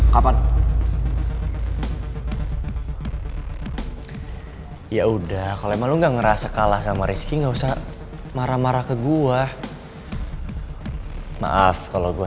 kapan dalam sejarah manusia kulkas kayak gitu lebih berkarisma daripada gue